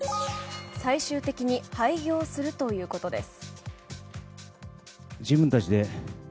最終的に廃業するということです。